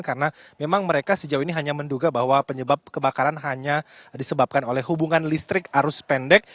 karena memang mereka sejauh ini hanya menduga bahwa penyebab kebakaran hanya disebabkan oleh hubungan listrik arus pendek